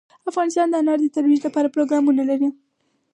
افغانستان د انار د ترویج لپاره پروګرامونه لري.